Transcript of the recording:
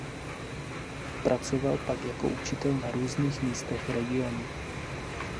Pracoval pak jako učitel na různých místech regionu.